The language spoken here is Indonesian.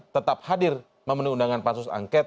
tetap hadir memenuhi undangan pansus angket